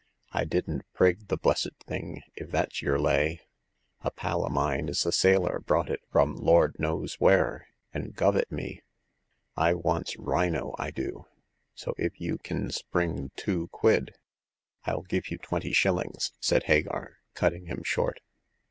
I didn't prig the blessed thing, if that's yer lay. A pal o' mine as is a sailor brought it from Lord knows where an' guv' it me. I wants rhino, I do ; so if you kin spring two quid "I'll give you twenty shillings," said Hagar, cutting him short.